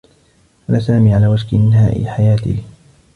كان سامي على وشك إنهاء حياته.